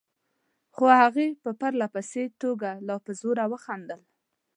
خو هغې په پرله پسې توګه لا په زوره خندل.